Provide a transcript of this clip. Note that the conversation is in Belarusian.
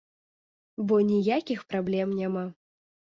Бо ніякіх праблем няма.